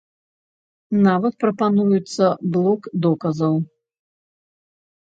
Нават прапануецца блок доказаў.